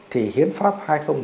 thì hiến pháp hai nghìn một mươi ba